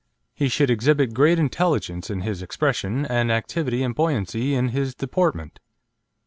He should exhibit great intelligence in his expression, and activity and buoyancy in his deportment.